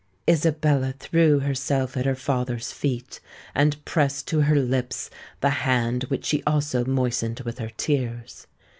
_'" Isabella threw herself at her father's feet, and pressed to her lips the hand which she also moistened with her tears.